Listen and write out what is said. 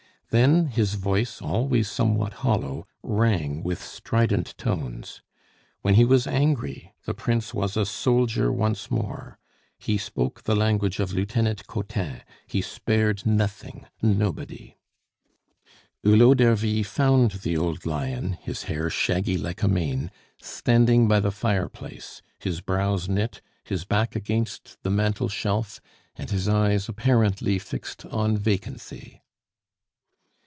Then, his voice, always somewhat hollow, rang with strident tones. When he was angry, the Prince was a soldier once more; he spoke the language of Lieutenant Cottin; he spared nothing nobody. Hulot d'Ervy found the old lion, his hair shaggy like a mane, standing by the fireplace, his brows knit, his back against the mantel shelf, and his eyes apparently fixed on vacancy.